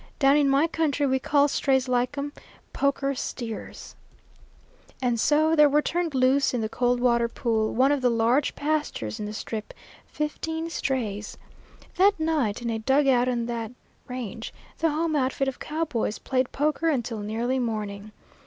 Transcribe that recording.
Down in my country we call strays like them poker steers." And so there were turned loose in the Coldwater Pool, one of the large pastures in the Strip, fifteen strays. That night, in a dug out on that range, the home outfit of cowboys played poker until nearly morning.